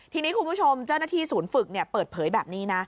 ทีนี้คุณผู้ชมเจ้าหน้าที่ศูนย์ฝึกเปิดเผยแบบนี้นะ